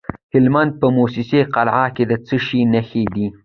د هلمند په موسی قلعه کې د څه شي نښې دي؟